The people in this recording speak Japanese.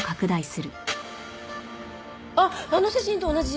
あっあの写真と同じ！